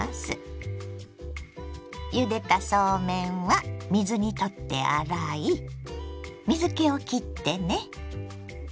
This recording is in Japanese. ゆでたそうめんは水にとって洗い水けをきってね。